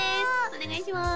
お願いします